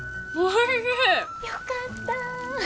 よかった。